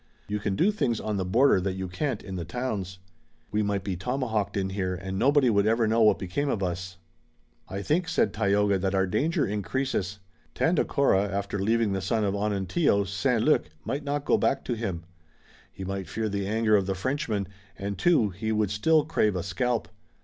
You can do things on the border that you can't in the towns. We might be tomahawked in here and nobody would ever know what became of us." "I think," said Tayoga, "that our danger increases. Tandakora after leaving the son of Onontio, St. Luc, might not go back to him. He might fear the anger of the Frenchman, and, too, he would still crave a scalp.